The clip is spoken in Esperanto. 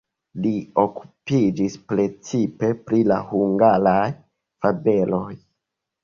Li okupiĝis precipe pri la hungaraj fabeloj.